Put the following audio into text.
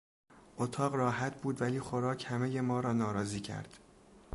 اتاق راحت بود ولی خوراک همهی ما را ناراضی کرد.